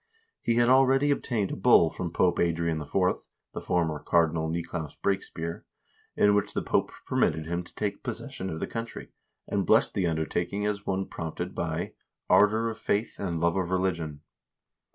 He had already obtained a bull from Pope Adrian IV. (the former Cardinal Nicolaus Brakespear), in which the Pope permitted him to take possession of the country, and blessed the undertaking as one prompted by "ardor of faith and love of religion."